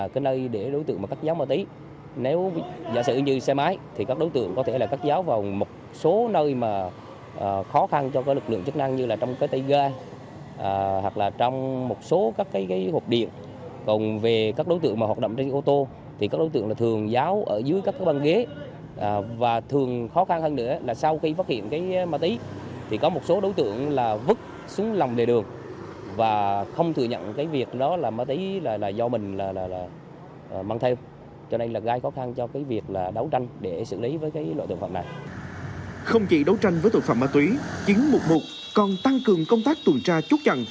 không chỉ đấu tranh với tội phạm ma túy chiến mục một còn tăng cường công tác tuần tra chốt chặn